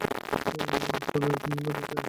চল এক দিন দেখে আসি।